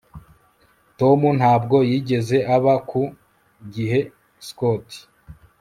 Tom ntabwo yigeze aba ku gihe Scott